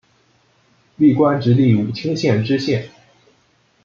历官直隶武清县知县。